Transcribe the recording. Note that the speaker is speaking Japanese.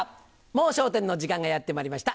『もう笑点』の時間がやってまいりました。